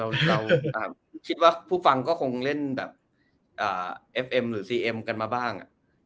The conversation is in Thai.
อ่านเริ่มดีว่าผู้ฟังก็คงเล่นแบบากไม่คงไม่ต่าง